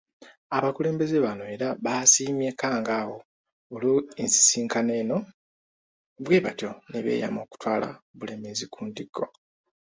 Abakulembeze bano era baasiimye Kkangaawo olw'ensisinkano eno bwebatyo ne beeyama okutwala Bulemeezi ku ntikko.